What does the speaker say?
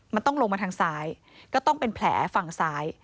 มันต้องลงมาทางซ้ายก็ต้องเป็นแผลฝั่งซ้าย